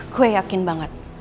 gue yakin banget